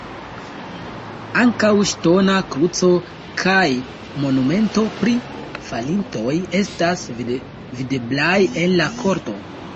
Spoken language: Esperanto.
Ankaŭ ŝtona kruco kaj monumento pri falintoj estas videblaj en la korto.